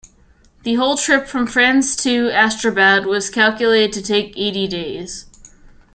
The whole trip from France to Astrabad was calculated to take eighty days.